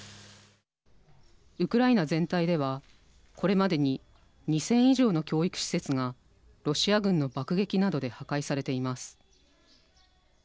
ウクライナ全体ではこれまでに２０００以上の教育施設がロシア軍の爆撃などで破壊されています。